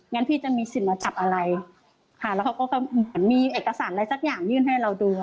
งั้นพี่จะมีสิทธิ์มาจับอะไรค่ะแล้วเขาก็เหมือนมีเอกสารอะไรสักอย่างยื่นให้เราดู